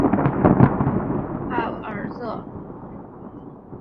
莱塞帕尔热。